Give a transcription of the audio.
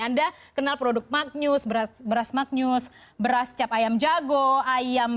anda kenal produk magnus beras maknyus beras cap ayam jago ayam